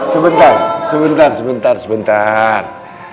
sebentar sebentar sebentar sebentar